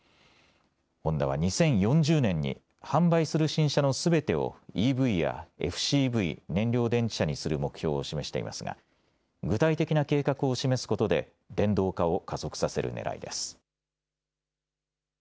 ホンダは２０４０年に販売する新車のすべてをＥＶやＦＣＶ・燃料電池車にする目標を示していますが具体的な計画を示すことで電動化を加速させるねらいです。